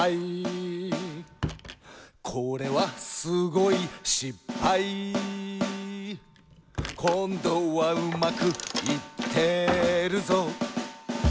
「これはすごいしっぱい」「こんどはうまくいってるぞ」